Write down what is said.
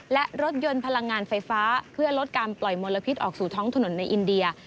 และรถยนต์พลังงานไฟฟ้าเพื่อลดการปล่อยมลพิษออกสู่ท้องถนนในอินเดีย